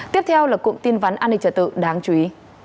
tiếp theo là cụm tin vắn an ninh trở tự đáng chú ý